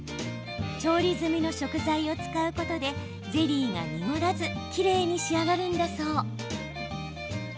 調理済みの食材を使うことでゼリーが濁らずきれいに仕上がるんだそう。